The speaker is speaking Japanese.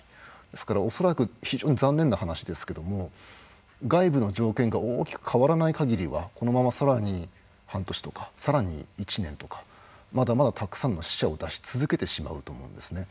ですから恐らく非常に残念な話ですけども外部の条件が大きく変わらない限りはこのままさらに半年とかさらに１年とかまだまだたくさんの死者を出し続けてしまうと思うんですね。